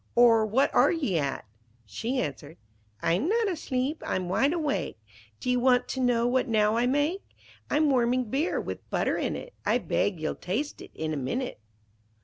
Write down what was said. or what are ye at?' She answered 'I'm not asleep; I'm wide awake. D'ye want to know what now I make? I'm warming beer, with butter in it; I beg ye'll taste it in a minute.'